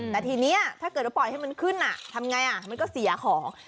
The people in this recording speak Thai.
แต่ทีนี้ถ้าเกิดว่าปล่อยให้มันขึ้นทำไงมันก็เสียของ